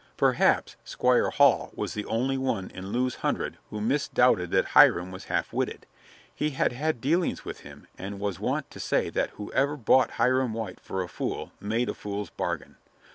Perhaps Squire Hall was the only one in Lewes Hundred who mis doubted that Hiram was half witted. He had had dealings with him and was wont to say that whoever bought Hiram White for a fool made a fool's bargain.